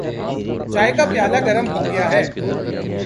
چائے کا پیالہ گرم ہوگیا ہے۔